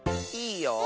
いいよ。